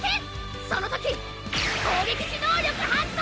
そのとき攻撃時能力発動！